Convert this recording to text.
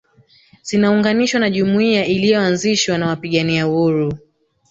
Zinaunganishwa na jumuiya iliyoanzishwa na wapigania uhuru